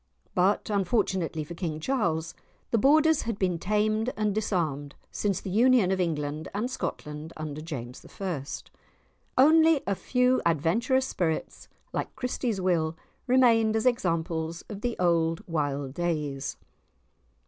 But, unfortunately for King Charles, the Borders had been tamed and disarmed since the union of England and Scotland under James I. Only a few adventurous spirits like Christie's Will remained as examples of the old wild days.